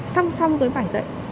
xong xong với bài dạy